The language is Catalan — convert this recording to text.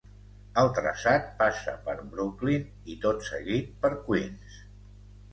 El traçat passa per Brooklyn i tot seguit per Queens.